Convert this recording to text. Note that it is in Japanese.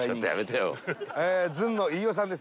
ずんの飯尾さんです。